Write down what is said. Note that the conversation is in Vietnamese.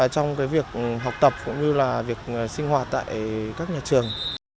trong việc học tập cũng như là việc sinh hoạt tại các nhà trường